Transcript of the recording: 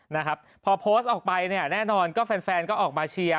นะครับพอโพสต์ออกไปเนี่ยแน่นอนก็แฟนแฟนก็ออกมาเชียร์